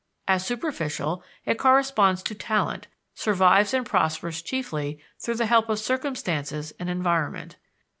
As superficial, it corresponds to talent, survives and prospers chiefly through the help of circumstances and environment.